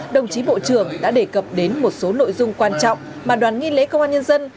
đồng chí bộ trưởng đã đề cập đến một số nội dung quan trọng mà đoàn nghi lễ công an nhân dân